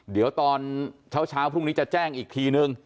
เดี๋ยวตอนเช้าพรุ่งนี้จะแจ้งอีกทีนึง